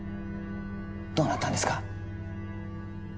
どうなったんですか？